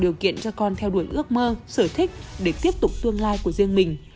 điều kiện cho con theo đuổi ước mơ sở thích để tiếp tục tương lai của riêng mình